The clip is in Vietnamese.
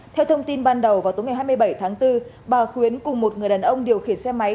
theo thông tin ban đầu vào tối ngày hai mươi bảy tháng bốn bà khuyến cùng một người đàn ông điều khiển xe máy